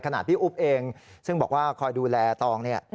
พี่อุ๊บเองซึ่งบอกว่าคอยดูแลตองเนี่ย